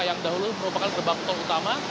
yang dahulu merupakan gerbang tol utama